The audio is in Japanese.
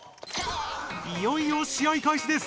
いよいよ試合開始です。